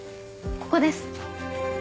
ここです。